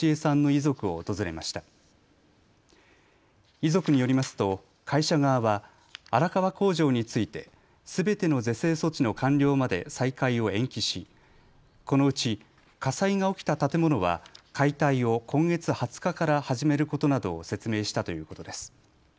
遺族によりますと会社側は荒川工場について、すべての是正措置の完了まで再開を延期しこのうち火災が起きた建物は解体を今月２０日から始めることなどを説明したということです。